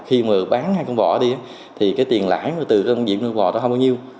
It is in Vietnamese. khi mà bán hai con bò đi thì cái tiền lãi từ công việc nuôi bò đó không bao nhiêu